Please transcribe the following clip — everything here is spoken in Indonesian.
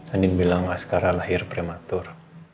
anin bilang askara lahir prematur